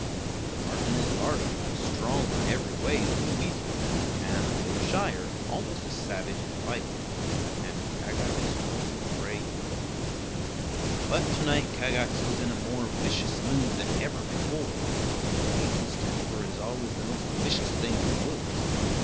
But the marten is larger and stronger every way than the weasel, and, though shyer, almost as savage in a fight. And Kagax was afraid. But to night Kagax was in a more vicious mood than ever before; and a weasel's temper is always the most vicious thing in the woods.